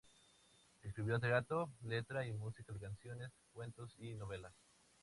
Escribió teatro, letra y música de canciones, cuentos y novelas.